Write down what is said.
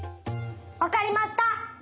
わかりました！